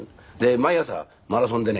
毎朝マラソンでね